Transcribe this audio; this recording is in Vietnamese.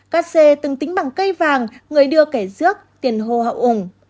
cát xê từng tính bằng cây vàng người đưa kẻ dước tiền hô hậu ủng